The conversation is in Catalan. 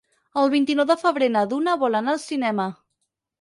El vint-i-nou de febrer na Duna vol anar al cinema.